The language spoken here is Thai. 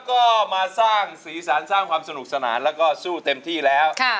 ก็มาสร้างสีสันสร้างความสนุกสนานแล้วก็สู้เต็มที่แล้ว